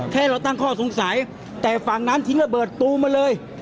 แค่เราตั้งข้อสงสัยแต่ฝั่งนั้นทิ้งระเบิดตูมมาเลย